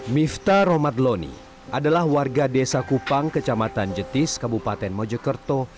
mifta romadhloni adalah warga desa kupang kecamatan jetis kabupaten mojokerto